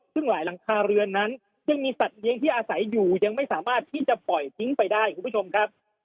ซึ่งหลายหลังคาเรือนนั้นยังมีสัตว์เลี้ยงที่อาศัยอยู่ยังไม่สามารถที่จะปล่อยทิ้งไปได้คุณผู้ชมครับ